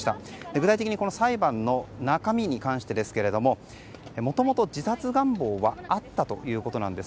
具体的に裁判の中身に関してですがもともと自殺願望はあったということなんです。